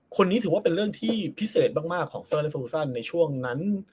คนนี้ถือว่าเป็นเรื่องที่พิเศษมากของเซอร์เลสเฟอร์กุฟเซ็นต์ในช่วงนั้น